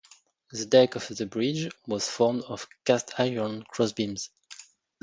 The deck of the bridge was formed of cast iron crossbeams.